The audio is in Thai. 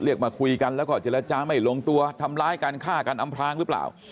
มาคุยกันแล้วก็เจรจาไม่ลงตัวทำร้ายการฆ่ากันอำพลางหรือเปล่า